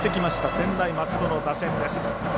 専大松戸の打線です。